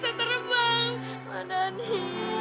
mami turunin dong